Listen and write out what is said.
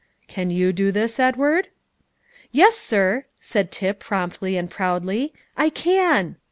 "Can you do this, Edward?" "Yes, sir," said Tip promptly and proudly, "I can."